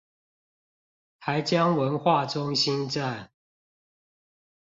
台江文化中心站